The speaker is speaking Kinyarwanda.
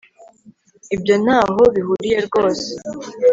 ibyo ntaho bihuriye rwose